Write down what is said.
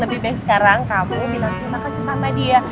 lebih baik sekarang kamu bilang terima kasih sama dia